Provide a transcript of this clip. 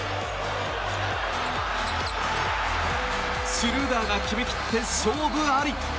シュルーダーが決め切って勝負あり！